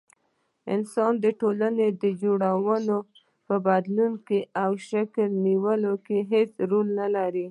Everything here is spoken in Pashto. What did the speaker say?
انسان د ټولني د جوړښتونو په بدلون او شکل نيوني کي هيڅ رول نلري